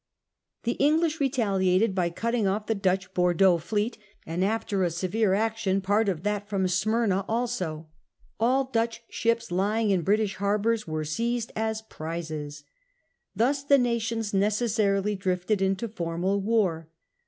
The English retaliated by cutting off the Dutch Bordeaux fleet, and after a severe action part of that from 1664. English and Dutch Preparations, 129 Smyrna also. All Dutch ships lying in British harbours were seized as prizes. Thus the nations necessarily drifted into formal war.